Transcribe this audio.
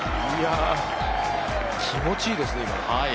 気持ちいいですね。